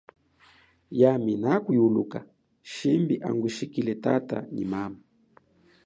Yami nakwiuluka shimbi angushikile tata nyi mama.